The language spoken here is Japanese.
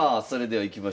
はい。